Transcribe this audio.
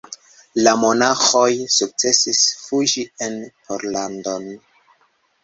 La monaĥoj sukcesis fuĝi en Pollandon.